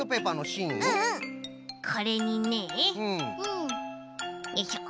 これにねよいしょ